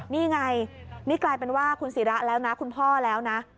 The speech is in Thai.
นี่ไงนี่กลายเป็นว่าคุณศิระแล้วนะคุณพ่อแล้วนะ